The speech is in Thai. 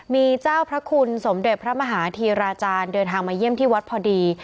มีเจ้าพระคุณสมเด็จพระมหาธีราจารย์เดินทางมาเยี่ยมที่วัดพอดี